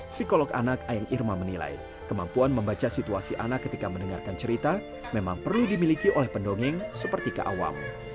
psikolog anak ayang irma menilai kemampuan membaca situasi anak ketika mendengarkan cerita memang perlu dimiliki oleh pendongeng seperti ke awam